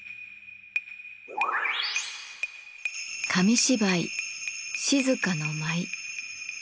紙芝居「静の舞」。